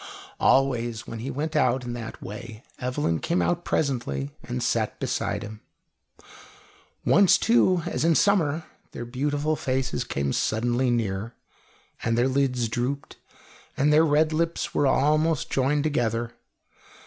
Always when he went out in that way Evelyn came out presently and sat beside him. Once, too, as in summer, their beautiful faces came suddenly near, and their lids drooped, and their red lips were almost joined together.